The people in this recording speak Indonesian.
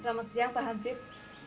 selamat siang pak hansip